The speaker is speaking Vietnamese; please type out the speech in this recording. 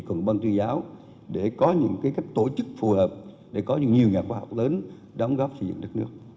cộng đồng ban tư giáo để có những cách tổ chức phù hợp để có nhiều nhà khoa học lớn đồng góp sử dụng đất nước